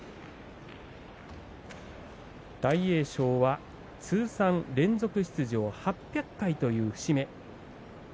大栄翔は通算連続出場８００回という節目。